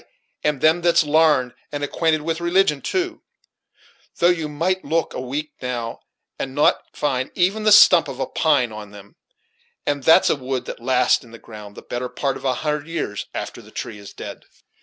and them that's larned, and acquainted with religion, too; though you might look a week, now, and not find even the stump of a pine on them; and that's a wood that lasts in the ground the better part of a hundred years after the tree is dead."